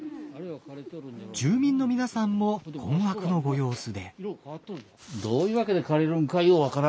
住民の皆さんも困惑のご様子で。